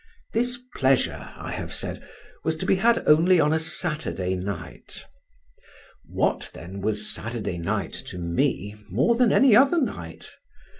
This pleasure, I have said, was to be had only on a Saturday night. What, then, was Saturday night to me more than any other night?